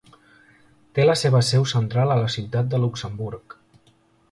Té la seva seu central a la ciutat de Luxemburg.